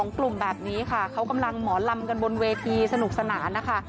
กลุ่มแบบนี้ค่ะเขากำลังหมอลำกันบนเวทีสนุกสนานนะคะ